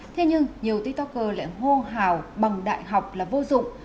thế nhưng nhiều tiktoker lại hô hào bằng đại học là vô dụng